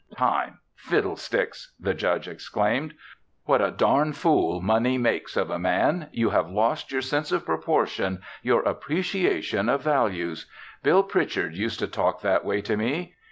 "Time! Fiddlesticks!" the Judge exclaimed. "What a darn fool money makes of a man! You have lost your sense of proportion, your appreciation of values. Bill Pritchard used to talk that way to me.